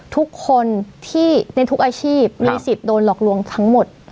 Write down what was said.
ทุกคนที่ในทุกอาชีพมีสิทธิ์โดนหลอกลวงทั้งหมด